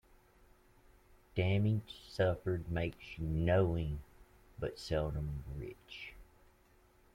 Damage suffered makes you knowing, but seldom rich.